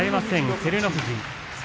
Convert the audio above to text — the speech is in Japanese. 照ノ富士。